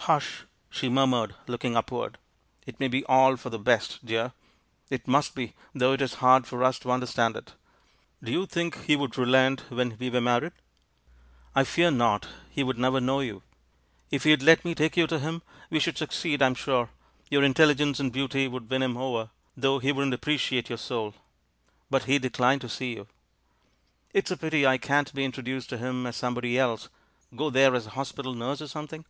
"Hush," she murmured, looking upward; "it may be all for the best, dear — it must be — though it is hard for us to understand it. ... Do you think he would relent when we were married?" "I fear not — he would never know you. If he'd let me take you to him, we should succeed. THE FAVOURITE PLOT 269 I'm sure — your intelligence and beauty would win him over, though he wouldn't appreciate your soul; but he declined to see you." "It's a pity I can't be introduced to him as somebody else — go there as a hospital nurse or something.